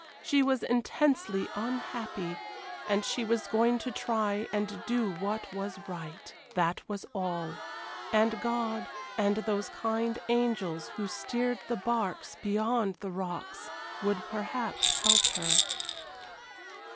She was intensely unhappy, and she was going to try and do what was right. That was all. And God and those kind angels who steered the barks beyond the rocks would perhaps help her.